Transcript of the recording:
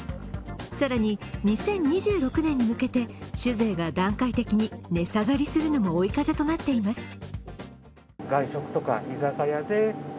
更に２０２６年に向けて、酒税が段階的に値下がりするのも追い風となっています。